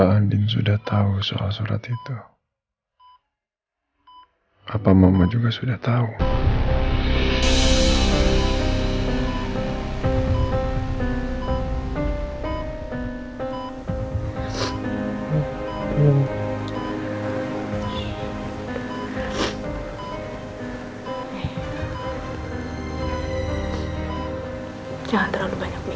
nanti kita ngobrol kalau misalkan kamu udah keluar dari sini